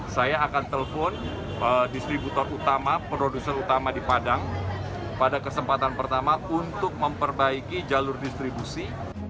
saya akan telpon distributor utama produser utama di padang pada kesempatan pertama untuk memperbaiki jalur distribusi